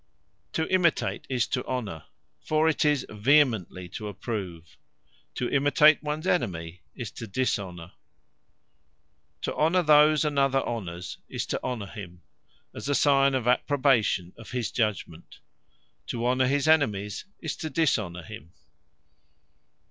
To imitate, is to Honour; for it is vehemently to approve. To imitate ones Enemy, is to Dishonour. To honour those another honours, is to Honour him; as a signe of approbation of his judgement. To honour his Enemies, is to Dishonour him.